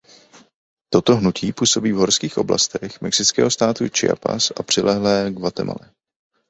Toto hnutí působí v horských oblastech mexického státu Chiapas a přilehlé Guatemale.